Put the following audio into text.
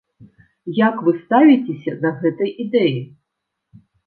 Як вы ставіцеся да гэтай ідэі?